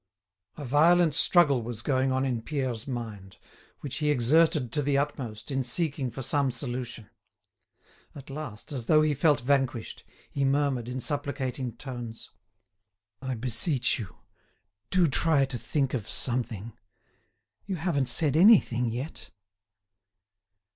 A violent struggle was going on in Pierre's mind, which he exerted to the utmost in seeking for some solution; at last, as though he felt vanquished, he murmured, in supplicating tones: "I beseech you, do try to think of something; you haven't said anything yet."